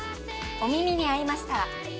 『お耳に合いましたら。』